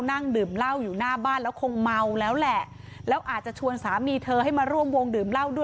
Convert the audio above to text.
นั่งดื่มเหล้าอยู่หน้าบ้านแล้วคงเมาแล้วแหละแล้วอาจจะชวนสามีเธอให้มาร่วมวงดื่มเหล้าด้วย